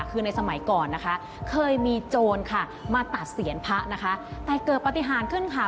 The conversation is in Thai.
คือในสมัยก่อนเคยมีโจรมาตัดเสียรพะแต่เกิดปฏิหารขึ้นค่ะ